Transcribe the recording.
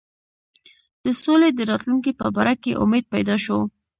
د سولي د راتلونکي په باره کې امید پیدا شو.